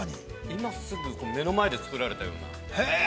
◆今すぐ目の前で作られたような。